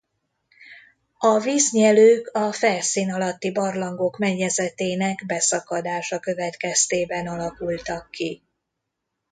A víznyelők a felszín alatti barlangok mennyezetének beszakadása következtében alakultak ki.